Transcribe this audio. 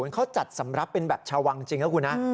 เขาจัดสำหรับเป็นแบบชาววังจริงนะคุณนะ